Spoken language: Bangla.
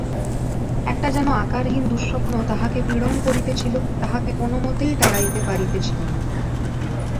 একটা যেন আকারহীন দুঃস্বপ্ন তাহাকে পীড়ন করিতেছিল, তাহাকে কোনোমতেই তাড়াইতে পারিতেছিল না।